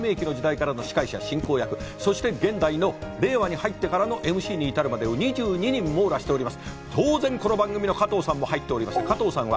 昭和のテレビの黎明期の時代からの司会者、進行役、そして現代の令和に入ってからのＭＣに至るまでに２２人網羅しております。